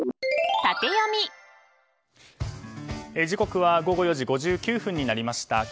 時刻は午後４時５９分になりました。